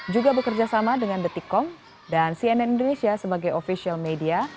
juga bekerja sama dengan detikkom dan cnn indonesia sebagai official media